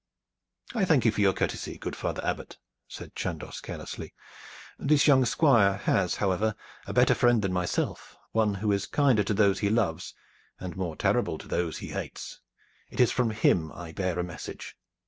"I thank you for your courtesy, good father Abbot," said Chandos carelessly. "This young Squire has, however, a better friend than myself, one who is kinder to those he loves and more terrible to those he hates. It is from him I bear a message."